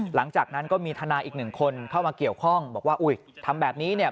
หลังจากนั้นก็มีทนายอีกหนึ่งคนเข้ามาเกี่ยวข้องบอกว่าอุ้ยทำแบบนี้เนี่ย